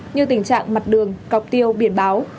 như tình trạng mặt đường cọc tiêu biển báo